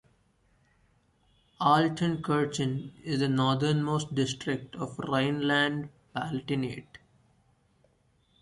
Altenkirchen is the northernmost district of Rhineland-Palatinate.